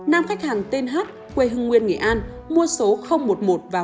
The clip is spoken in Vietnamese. nam khách hàng tên h quê hưng nguyên nghệ an mua số một mươi một và một trăm một mươi